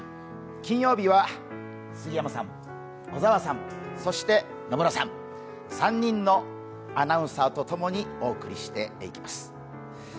金曜日は杉山さん、小沢さん、そして野村さん、３人のアナウンサーと共にお送りしていきます。